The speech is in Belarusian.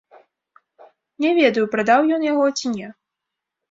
Не ведаю, прадаў ён яго ці не.